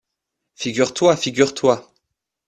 Figure-toi! figure-toi !